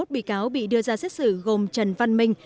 hai mươi bị cáo bị đưa ra xét xử gồm trần văn minh